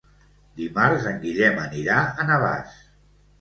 Dimarts en Guillem anirà a Navàs.